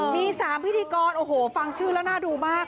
มี๓พิธีกรโอ้โหฟังชื่อแล้วน่าดูมาก